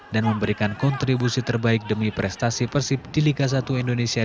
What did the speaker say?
dan memberikan kontribusi terbaik demi prestasi persib di liga satu indonesia dua ribu sembilan belas